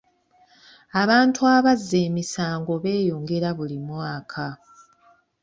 Abantu abazza emisango beeyongera buli mwaka.